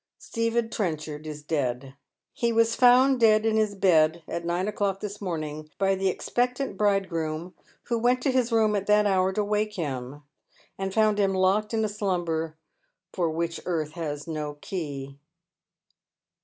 Stephen Trenchard is dead. He was found dead in his bed, at nine o'clock this morning, by the expectant bridegroom, who went to his room at that hour to wake him, and foimd him locked in a slumber for which earth has no key.